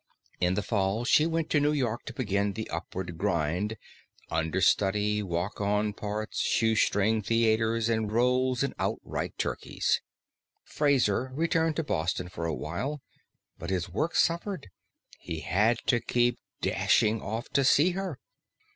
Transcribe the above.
In the fall she went to New York to begin the upward grind understudy, walk on parts, shoestring theaters, and roles in outright turkeys. Fraser returned to Boston for awhile, but his work suffered, he had to keep dashing off to see her.